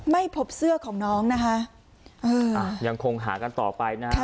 ไม่พบเสื้อของน้องนะคะเอออ่ะยังคงหากันต่อไปนะฮะ